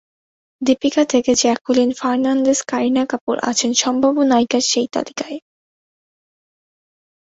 দীপিকা থেকে জ্যাকুলিন ফার্নান্দেজ, কারিনা কাপুর আছেন সম্ভাব্য নায়িকার সেই তালিকায়।